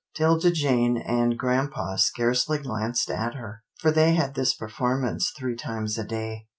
'Tilda Jane and grampa scarcely glanced at her, for they had this performance three times a day.